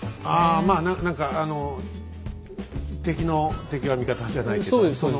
あまあ何かあの敵の敵は味方じゃないけど。